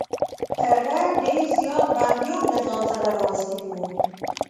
هغه ډېر زیات بندیان له ځان سره راوستلي وه.